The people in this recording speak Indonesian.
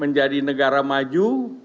menjadi negara maju